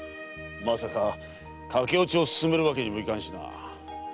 まさか駆け落ちを勧めるわけにもいかんしな。